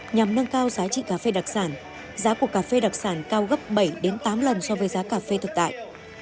nhằm nâng cao giá trị cà phê đặc sản giá của cà phê đặc sản cao gấp bảy tám lần so với giá cà phê thực tại